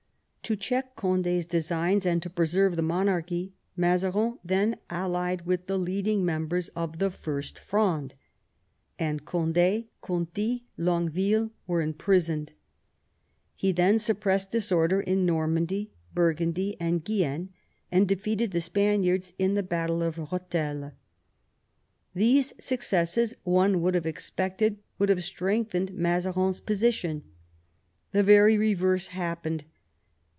To check Condi's designs and to preserve the monarchy, Mazarin then allied with the leading members of the First Fronde ; and Cond^, Conti, and Longueville were imprisoned He then suppressed disorder in Normandy, Burgundy, and Guienne, and defeated the Spaniards in the battle of EetheL These successes, one would have expected, would have strengthened Mazarin's position. The very reverse happened.